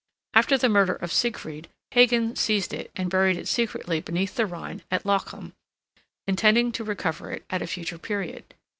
After the murder of Siegfried, Hagan seized it and buried it secretly beneath the Rhine at Lochham, intending to recover it at a future period.